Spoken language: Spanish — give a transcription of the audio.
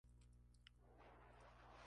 El río Ottawa forma el límite sur.